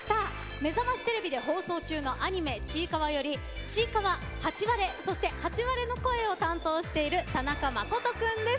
「めざましテレビ」で放送中のアニメ、「ちいかわ」よりちいかわ、ハチワレそしてハチワレの声を担当している田中誠人君です。